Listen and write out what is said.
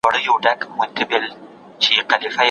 د تاریخ مطالعه باید بې طرفه وي.